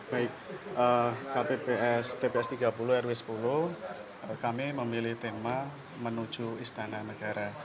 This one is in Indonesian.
baik tps tiga puluh rw sepuluh kami memilih tema menuju istana negara